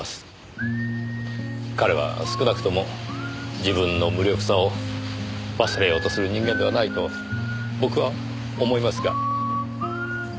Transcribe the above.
彼は少なくとも自分の無力さを忘れようとする人間ではないと僕は思いますが。